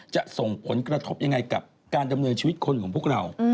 จะส่งผลกระทบยังไงกับการดำเนินชีวิตคนของพวกเรา